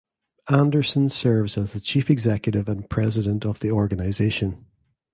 Anderson serves as the Chief Executive and President of the organization.